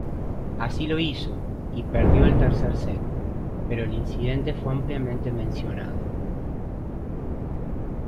Así lo hizo, y perdió el tercer set, pero el incidente fue ampliamente mencionado.